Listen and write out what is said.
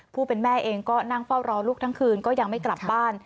ผู้เป็นแม่เองก็นั่งเฝ้ารอลูกทั้งคืนก็ยังไม่กลับบ้าน